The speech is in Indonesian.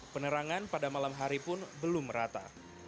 penerangan pada malam hari pun belum merata